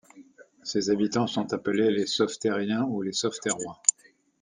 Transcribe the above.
Ses habitants sont appelés les Sauveterriens ou Sauveterrois.